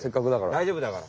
大丈夫だから。